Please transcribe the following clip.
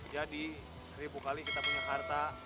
jadi seribu kali kita punya harta